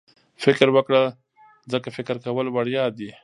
فکر وکړه ځکه فکر کول وړیا دي.